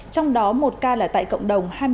trong đó một ca là tại cộng đồng